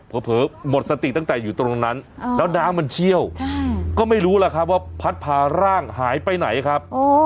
เผลอเผลอหมดสติตั้งแต่อยู่ตรงนั้นเออแล้วน้ามันเชี่ยวใช่ก็ไม่รู้แหละครับว่าพัฒน์พาร่างหายไปไหนครับ